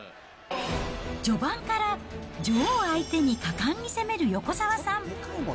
序盤から女王相手に果敢に攻める横澤さん。